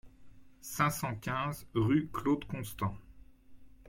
cinq cent quinze rue Claude Constant